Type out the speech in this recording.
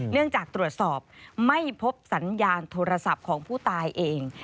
เนื่องจากตรวจสอบไม่พบสัญญาณโทรศัพท์ของผู้ตายเอง